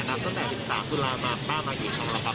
ตั้งแต่สิบสามคุณลามาป้ามากี่ชั้นแล้วคะ